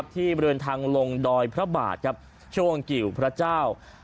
ที่บริเวณทางลงดอยพระบาทครับช่วงกิวพระเจ้า